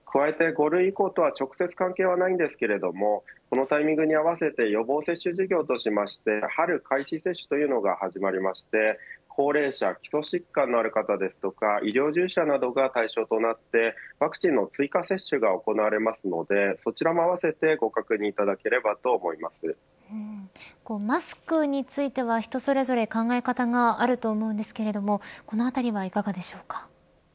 加えて、５類移行とは直接関係ないですがこのタイミングに合わせて予防接種事業としまして春開始接種というのが始まりまして高齢者、基礎疾患のある方ですとか医療従事者などが対象となってワクチンの追加接種が行われますのでそちらも合わせてマスクについては人それぞれ考え方があると思うのですがこのあたりはいかがでしょうか。